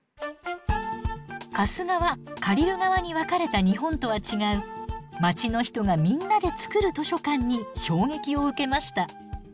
貸す側借りる側に分かれた日本とは違う街の人がみんなで作る図書館に衝撃を受けました。